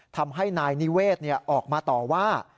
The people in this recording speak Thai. ทำให้นายนิเวศออกมาต่อว่า